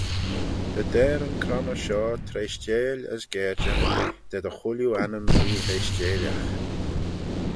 Dy der yn cronney shoh treishteil as gerjagh da dy chooilley annym mee-hreishteilagh.